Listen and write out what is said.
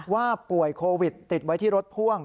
ว่าป่วยโควิดติดไว้ที่รถพ่วง